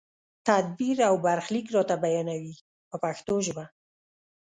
تدبیر او برخلیک راته بیانوي په پښتو ژبه.